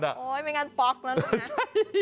้อโรยงั้นปลอกละ